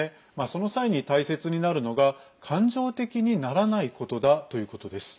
その際に大切になるのが感情的にならないことだということです。